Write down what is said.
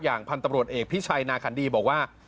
พันธุ์ตำรวจเอกพิชัยนาขันดีบอกว่า